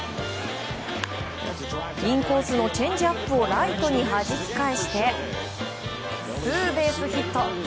インコースのチェンジアップをライトにはじき返してツーベースヒット。